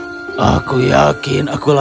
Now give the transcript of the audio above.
aku yakin aku layak mendapatkannya